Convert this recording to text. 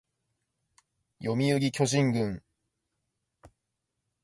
読売巨人軍